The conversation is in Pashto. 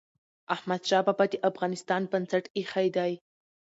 احمد شاه بابا د افغانستان بنسټ ايښی دی.